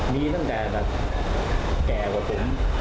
มีตั้งแต่แบบแก่กว่าผม